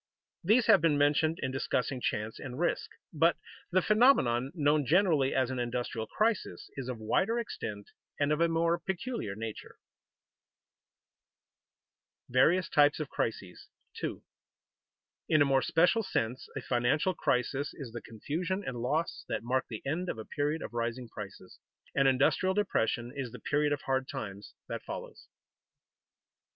These have been mentioned in discussing chance and risk; but the phenomenon known generally as an industrial crisis is of wider extent and of a more peculiar nature. [Sidenote: Various types of crises] 2. _In a more special sense a financial crisis is the confusion and loss that mark the end of a period of rising prices; an industrial depression is the period of hard times that follows.